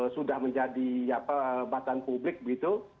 sudah menjadi batasan publik begitu